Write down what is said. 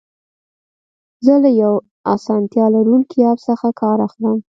زه له یو اسانتیا لرونکي اپ څخه کار اخلم.